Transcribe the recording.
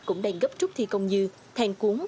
cũng đang gấp trúc thi công như thang cuốn